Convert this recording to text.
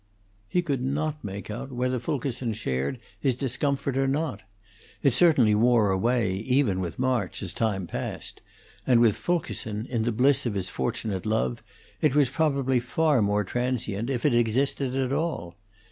He could not make out whether Fulkerson shared his discomfort or not. It certainly wore away, even with March, as time passed, and with Fulkerson, in the bliss of his fortunate love, it was probably far more transient, if it existed at all.